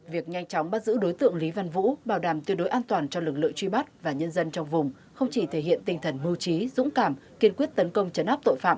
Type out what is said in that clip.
việc nhanh chóng bắt giữ đối tượng lý văn vũ bảo đảm tiêu đối an toàn cho lực lượng truy bắt và nhân dân trong vùng không chỉ thể hiện tinh thần mưu trí dũng cảm kiên quyết tấn công chấn áp tội phạm